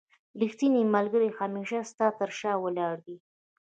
رښتينی ملګری هميشه ستا تر شا ولاړ دی